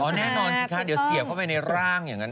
แน่นอนสิคะเดี๋ยวเสียบเข้าไปในร่างอย่างนั้น